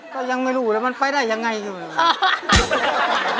เพลงนี้อยู่ในอาราบัมชุดแรกของคุณแจ็คเลยนะครับ